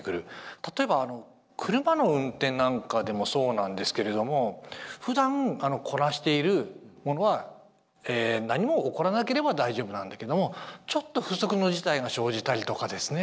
例えば車の運転なんかでもそうなんですけれどもふだんこなしているものは何も起こらなければ大丈夫なんだけどもちょっと不測の事態が生じたりとかですね